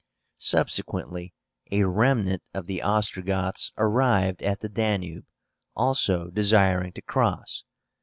Subsequently a remnant of the Ostrogoths arrived at the Danube, also desiring to cross.